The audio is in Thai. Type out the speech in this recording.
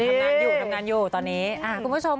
ทำงานอยู่ทำงานอยู่ตอนนี้คุณผู้ชม